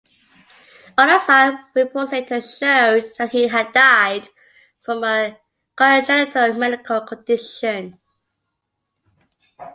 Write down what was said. Autopsy reports later showed that he had died from a congenital medical condition.